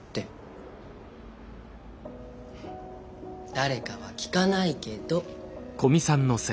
誰かは聞かないけど。